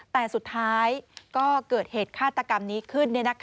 แต่สุดท้ายก็เกิดเหตุฆาตกรรมนี้ขึ้น